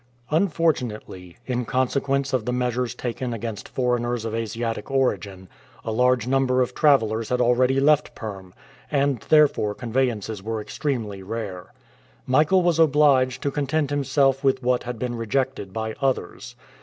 Unfortunately, in consequence of the measures taken against foreigners of Asiatic origin, a large number of travelers had already left Perm, and therefore conveyances were extremely rare. Michael was obliged to content himself with what had been rejected by others.